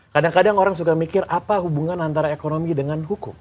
kadang kadang orang suka mikir apa hubungan antara ekonomi dengan hukum